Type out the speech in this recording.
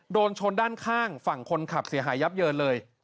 โดนชนด้านข้างฝั่งคนขับเสียหายยับเยินเลย